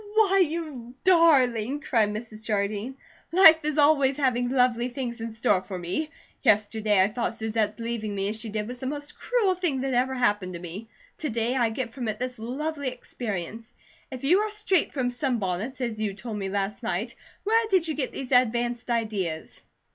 "Why, you darling!" cried Mrs. Jardine. "Life is always having lovely things in store for me. Yesterday I thought Susette's leaving me as she did was the most cruel thing that ever happened to me. To day I get from it this lovely experience. If you are straight from sunbonnets, as you told me last night, where did you get these advanced ideas?"